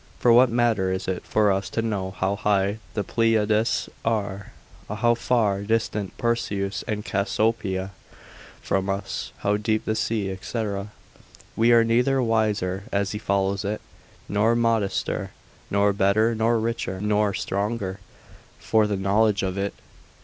For what matter is it for us to know how high the Pleiades are, how far distant Perseus and Cassiopeia from us, how deep the sea, &c., we are neither wiser, as he follows it, nor modester, nor better, nor richer, nor stronger for the knowledge of it.